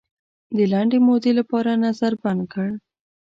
د لنډې مودې لپاره نظر بند کړ.